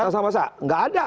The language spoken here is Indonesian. desakan masa nggak ada